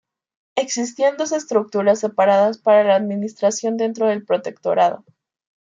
Existían dos estructuras separadas para la administración dentro del protectorado.